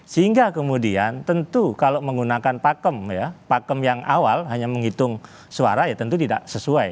sehingga kemudian tentu kalau menggunakan pakem ya pakem yang awal hanya menghitung suara ya tentu tidak sesuai